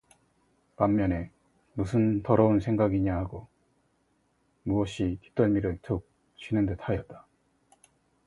반면에 무슨 더러운 생각이냐 하고 무엇이 뒷덜미를 툭 치는 듯하였다.